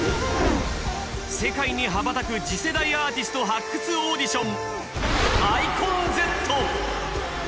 世界に羽ばたく次世代アーティスト発掘オーディション。